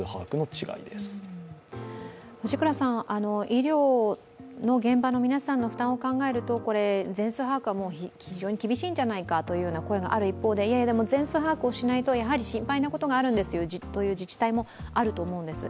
医療の現場の皆さんの負担を考えると全数把握は非常に厳しいんじゃないかという声がある一方で、全数把握をしないと心配なことがあるという自治体もあると思うんです。